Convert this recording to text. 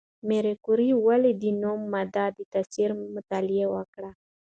ماري کوري ولې د نوې ماده د تاثیر مطالعه وکړه؟